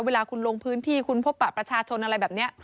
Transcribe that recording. เวลาคุณลงพื้นที่คุณพบปะประชาชนอะไรแบบนี้